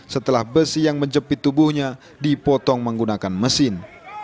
setelah besi yang menjepit tubuhnya dipotong menggunakan mesin